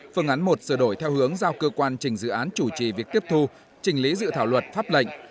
phương án một sửa đổi theo hướng giao cơ quan trình dự án chủ trì việc tiếp thu trình lý dự thảo luật pháp lệnh